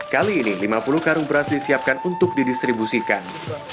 kali ini lima puluh karung beras disiapkan untuk didistribusikan